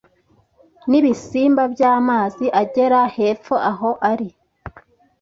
nibisimba byamazi agera hepfo aho ari